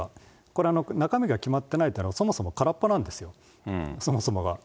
これ中身が決まってないって、そもそも空っぽなんですよ、そもそもが。